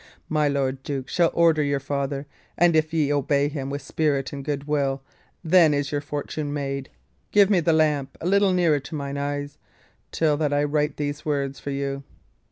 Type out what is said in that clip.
"My lord duke shall order you farther, and if ye obey him with spirit and good will, then is your fortune made. Give me the lamp a little nearer to mine eyes, till that I write these words for you."